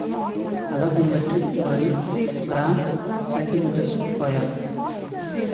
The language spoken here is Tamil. அலகு மெட்ரிக் முறையில் கிராம் செமீ².